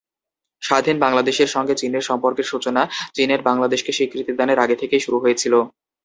স্বাধীন বাংলাদেশের সঙ্গে চীনের সম্পর্কের সূচনা চীনের বাংলাদেশকে স্বীকৃতিদানের আগে থেকেই শুরু হয়েছিল।